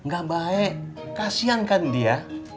gak baik kasiankan dia